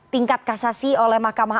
tingkat kasasi oleh mahkamah